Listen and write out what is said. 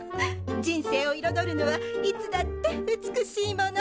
人生をいろどるのはいつだって美しいもの！